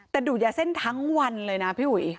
แต่ดูดยาเส้นทั้งวันเลยนะพี่อุ๋ย